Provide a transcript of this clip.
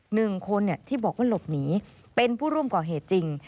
หนึ่งคนที่บอกว่าหลบหนีเป็นผู้ร่วมก่อเหตุจริง